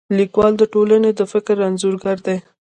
لیکوال د ټولنې د فکر انځورګر دی.